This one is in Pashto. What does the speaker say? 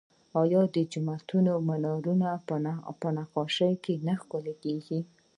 آیا د جوماتونو مینارونه په نقاشۍ نه ښکلي کیږي؟